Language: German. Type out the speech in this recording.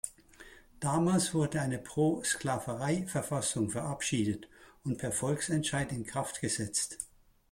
Damals wurde eine Pro-Sklaverei-Verfassung verabschiedet und per Volksentscheid in Kraft gesetzt.